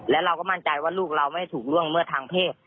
และเราก็มั่นใจว่าลูกเราไม่ถูกล่วงละเมิดทางเพศ